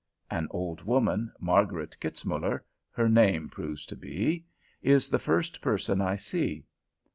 An old woman, Margaret Kitzmuller her name proves to be, is the first person I see.